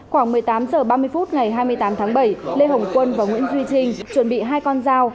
khoảng một mươi tám h ba mươi phút ngày hai mươi tám tháng bảy lê hồng quân và nguyễn duy trinh chuẩn bị hai con dao